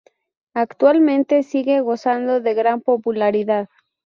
Actualmente sigue gozando de gran popularidad.